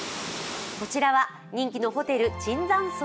こちらは人気のホテル・椿山荘